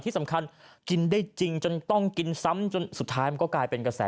ที่สำคัญกินได้จริงจนต้องกินซ้ำจนสุดท้ายมันก็กลายเป็นกระแส